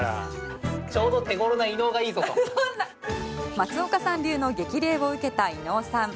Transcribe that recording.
松岡さん流の激励を受けた伊野尾さん。